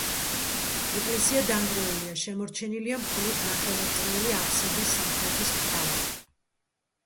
ეკლესია დანგრეულია, შემორჩენილია მხოლოდ ნახევარწრიული აფსიდის სამხრეთის მხარე.